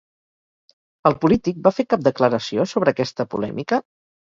El polític va fer cap declaració sobre aquesta polèmica?